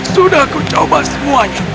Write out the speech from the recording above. sudah aku coba semuanya